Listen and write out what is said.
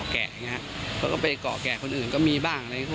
เขาก็ไปเกาะแก่คนอื่นก็มีบ้าง